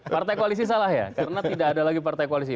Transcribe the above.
partai koalisi salah ya karena tidak ada lagi partai koalisi